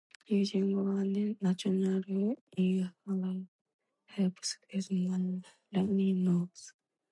Using a natural inhaler helps with my runny nose